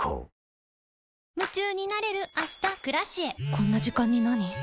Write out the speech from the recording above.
こんな時間になに？